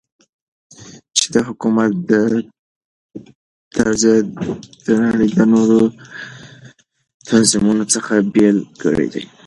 چې دحكومت دا طرز يي دنړۍ دنورو تنظيمونو څخه بيل كړى دى .